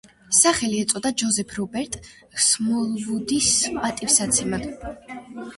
სახელი ეწოდა ჯოზეფ რობერტ სმოლვუდის პატივსაცემად.